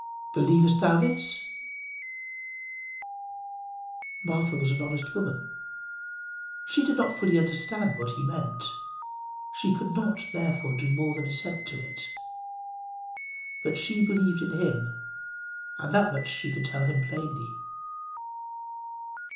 "Believest thou this?" Martha was an honest woman. She did not fully understand what he meant. She could not, therefore, do more than assent to it. But she believed in him, and that much she could tell him plainly.